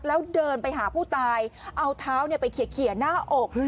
แล้วเดินไปหาผู้ตายเอาเท้าไปเขียหน้าอก